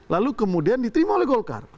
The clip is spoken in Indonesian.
lalu kemudian diterima oleh golkar